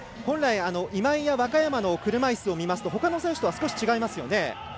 今井や若山の車いすを見ますとほかの選手とは少し違いますよね。